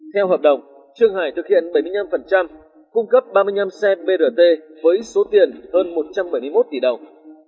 theo hợp đồng trương hải thực hiện bảy mươi năm cung cấp ba mươi năm xe brt với số tiền hơn một trăm bảy mươi một tỷ đồng